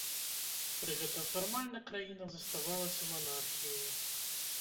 Пры гэтым фармальна краіна заставалася манархіяй.